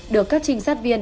được các trinh sát đối tượng